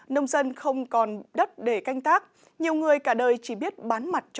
nông dân không còn đất để canh tác nhiều người cả đời chỉ biết bán mặt cho đất bán lưng cho trời